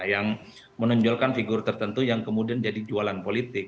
yang menonjolkan figur tertentu yang kemudian jadi jualan politik